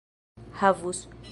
havus